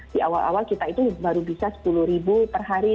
di awal awal kita itu baru bisa sepuluh ribu per hari